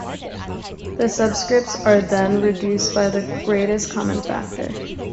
The subscripts are then reduced by the greatest common factor.